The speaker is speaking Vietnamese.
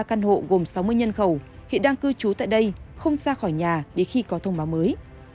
hai mươi ba căn hộ gồm sáu mươi nhân khẩu hiện đang cư trú tại đây không xa khỏi nhà để khi có thông báo mới